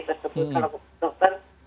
tersebut kalau dokter